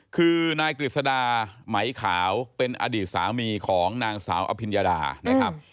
คือนายกฤษดาไหมขาวเป็นอดีตสามีของนางสาวอภิญญาดานะครับ